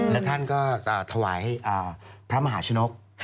และท่านก็ถวายพระมหาชนก